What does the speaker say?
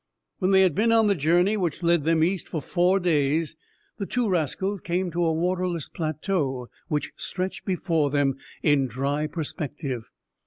When they had been on the journey, which led them east, for four days, the two rascals came to a waterless plateau, which stretched before them in dry perspective.